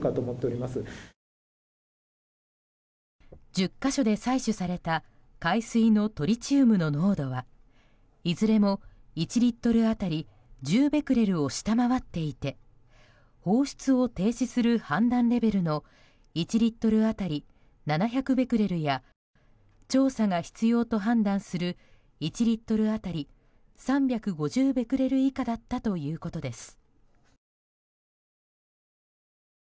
１０か所で採取された海水のトリチウムの濃度はいずれも１リットル当たり１０ベクレルを下回っていて放出を停止する判断レベルの１リットル当たり７００ベクレルや調査が必要と判断する１リットル当たり３５０ベクレル以下だったということです。